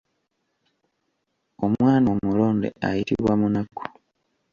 Omwana omulonde ayitibwa munaku.